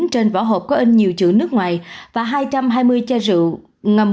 trên vỏ hộp có in nhiều chữ nước ngoài và hai trăm hai mươi chai rượu ngâm